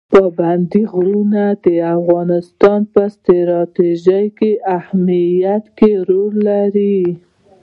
پابندي غرونه د افغانستان په ستراتیژیک اهمیت کې رول لري.